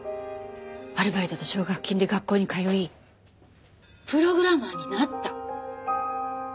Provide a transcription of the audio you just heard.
アルバイトと奨学金で学校に通いプログラマーになった。